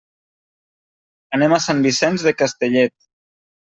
Anem a Sant Vicenç de Castellet.